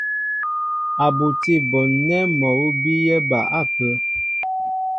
A butí a bon nɛ́ mɔ awʉ́ bíyɛ́ ba ápə́.